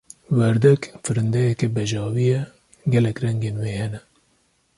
Werdek, firindeyeke bejavî ye, gelek rengên wê hene.